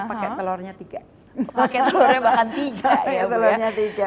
paket telurnya bahkan tiga ya bu ya